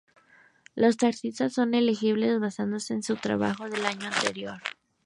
Los artistas son elegibles basándose en su trabajo del año anterior.